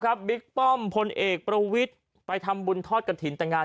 บิ๊กป้อมพลเอกประวิทย์ไปทำบุญทอดกระถิ่นแต่งงาน